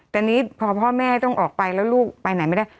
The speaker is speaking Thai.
แต่นี่พอพ่อแม่ต้องออกไปแล้วลูกไปไหนไม่ได้